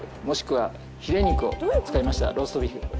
もしくはヒレ肉を使いましたローストビーフ。